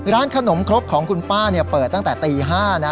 ร้านขนมครกของคุณป้าเปิดตั้งแต่ตี๕นะ